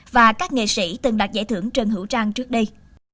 và các nghệ sĩ từng đạt giải thưởng trần hữu trang trước đây